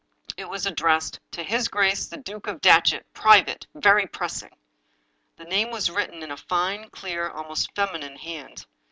It was ad dressed: '" To His Grace the Duke of Datchet. Private! VERY PRESSING! !!" The name was written in a fine, clear, almost feminine hand.